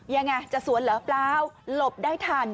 ยังไงจะสวนเหรอเปล่าหลบได้ทัน